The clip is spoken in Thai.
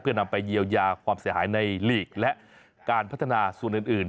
เพื่อนำไปเยียวยาความเสียหายในลีกและการพัฒนาส่วนอื่น